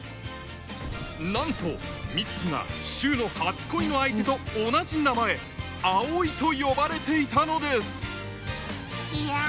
なんと美月が柊の初恋の相手と同じ名前「葵」と呼ばれていたのですいや